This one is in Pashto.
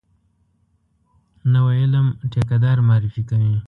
نوی علم ټیکه دار معرفي کوي.